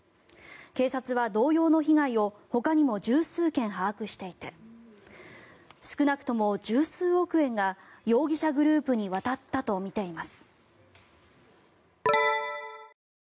警察は同様の被害をほかにも１０数件把握していて少なくとも１０数億円が容疑者グループに渡ったとみています。